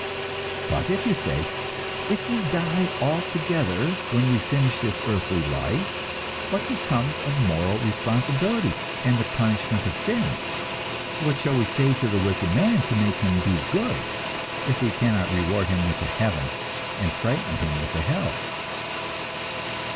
But, you say, if we die altogether when we finish this earthly life, what becomes of moral responsibility and the punishment of sins? What shall we say to the wicked man to make him be good, if we cannot reward him with a heaven and frighten him with a hell?